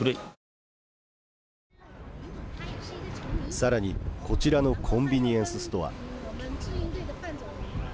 さらにこちらのコンビニエンスストア。